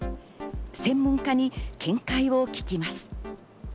専門家に見解を聞きます。